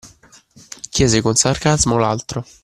Chiese con sarcasmo l’altro.